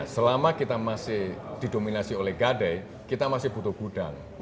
selama kita masih didominasi oleh gade kita masih butuh gudang